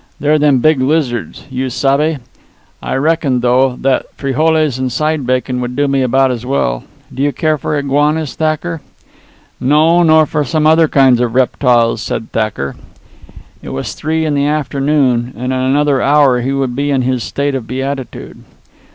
They're them big lizards, you sabe? I reckon, though, that frijoles and side bacon would do me about as well. Do you care for iguanas, Thacker?" "No, nor for some other kinds of reptiles," said Thacker. It was three in the afternoon, and in another hour he would be in his state of beatitude.